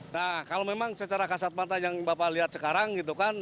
nah kalau memang secara kasat mata yang bapak lihat sekarang gitu kan